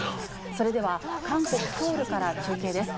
それでは、韓国・ソウルから中継です。